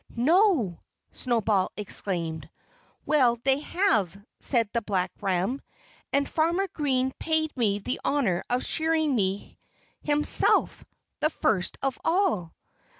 "No!" Snowball exclaimed. "Well, they have," said the black ram. "And Farmer Green paid me the honor of shearing me himself, the first of all."